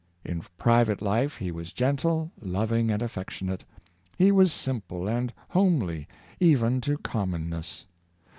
In private life he was gentle, loving, and affectionate. He was simple and homely, even to commonness.